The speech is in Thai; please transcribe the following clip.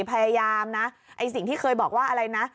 พยายามนะไอ้สิ่งที่เคยบอกว่าอะไรนะ